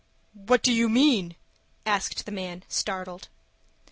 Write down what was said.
"What do you mean?" asked the man, startled.